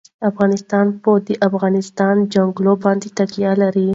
افغانستان په د افغانستان جلکو باندې تکیه لري.